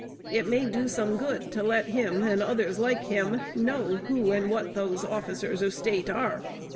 It may do some good to let him, and others like him, know who and what those officers of State are.